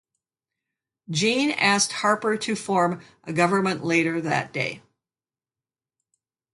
Jean asked Harper to form a government later that day.